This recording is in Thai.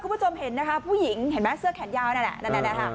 คุณผู้ชมเห็นนะคะผู้หญิงเห็นไหมเสื้อแขนยาวนั่นแหละนั่นนะคะ